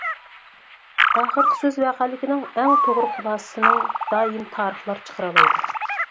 ئاخىرقى سۆز ۋەقەلىكنىڭ ئەڭ توغرا خۇلاسىسىنى دائىم تارىخلا چىقىرالايدۇ.